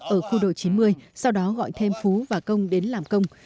ở khu đồ chín mươi sau đó gọi thêm phú và công đến làm công